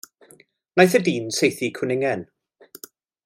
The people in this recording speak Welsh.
Nath y dyn saethu cwningen.